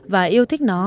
và yêu thích nó